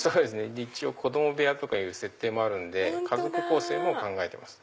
一応子供部屋とかいう設定もあるんで家族構成も考えてます。